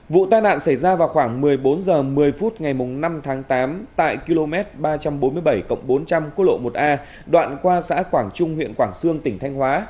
vụ tai nạn xảy ra vào khoảng một mươi bốn h một mươi phút ngày năm tháng tám tại km ba trăm bốn mươi bảy bốn trăm linh cô lộ một a đoạn qua xã quảng trung huyện quảng sương tỉnh thanh hóa